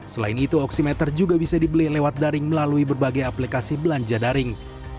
selain itu oksimeter juga bisa dibeli lewat daring melalui berbagai aplikasi belanja daring